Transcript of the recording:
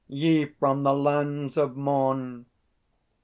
Ye from the lands of Morn!